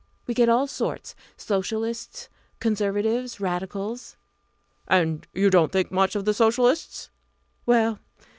We get all sorts Socialists, Conservatives, Radicals "" And you don't think much of the Socialists?" "Well!